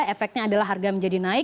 efeknya adalah harga menjadi naik